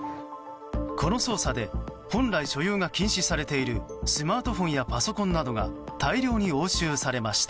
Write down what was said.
この捜査で本来、所有が禁止されているスマートフォンやパソコンなどが大量に押収されました。